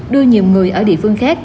đưa nhiều người ở địa phương khác